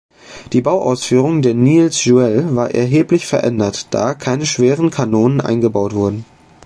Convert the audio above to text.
Die Bauausführung der "Niels Juel" war erheblich verändert, da keine schweren Kanonen eingebaut wurden.